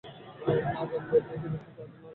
না জানবে যে কে বেচতেছে, আর না লাগবে ভয়।